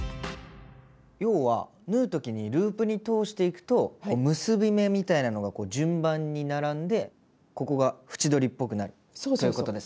要は縫う時にループに通していくとこう結び目みたいなのが順番に並んでここが縁取りっぽくなるということですね。